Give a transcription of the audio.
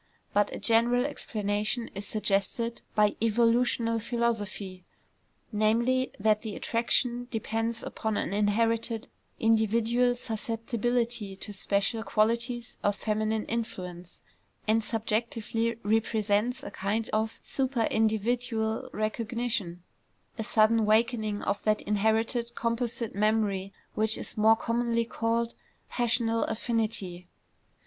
But a general explanation is suggested by evolutional philosophy, namely, that the attraction depends upon an inherited individual susceptibility to special qualities of feminine influence, and subjectively represents a kind of superindividual recognition, a sudden wakening of that inherited composite memory which is more commonly called "passional affinity."